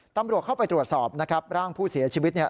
ตำรวจเข้าไปตรวจสอบนะครับร่างผู้เสียชีวิตเนี่ย